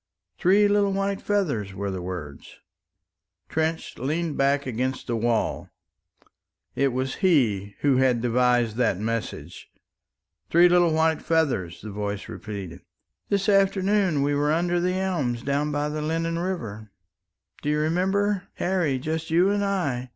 "Three little white feathers," were the words. Trench leaned back against the wall. It was he who had devised that message. "Three little white feathers," the voice repeated. "This afternoon we were under the elms down by the Lennon River do you remember, Harry? just you and I.